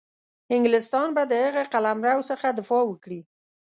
انګلیسیان به د هغه قلمرو څخه دفاع وکړي.